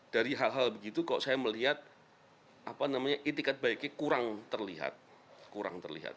dari hal hal begitu kok saya melihat itikat baiknya kurang terlihat kurang terlihat